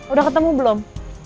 udah ketemu belum